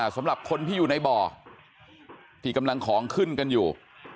สำหรับคนที่อยู่ในบ่อที่กำลังของขึ้นกันอยู่